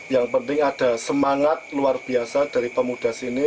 yang penting ada semangat luar biasa dari pemuda sini